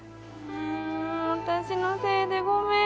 私のせいでごめん。